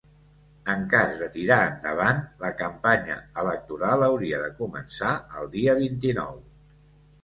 En cas de tirar endavant, la campanya electoral hauria de començar el dia vint-i-nou.